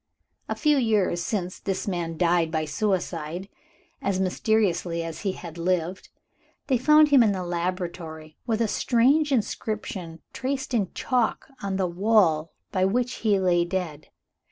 A few years since, this man died by suicide, as mysteriously as he had lived. They found him in the laboratory, with a strange inscription traced in chalk on the wall by which he lay dead.